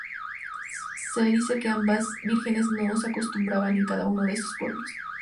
Se dice que ambas vírgenes no se acostumbraban en cada uno de estos pueblos.